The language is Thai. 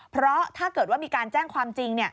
เพราะถ้าเกิดว่ามีการแจ้งความจริง